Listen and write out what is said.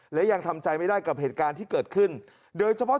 และยังทำใจไม่ได้กับเหตุการณ์ที่เกิดขึ้นโดยเฉพาะ